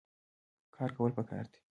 کار کول پکار دي